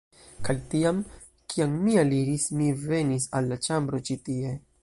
Kaj tiam, kiam mi aliris, mi venis al la ĉambro ĉi tie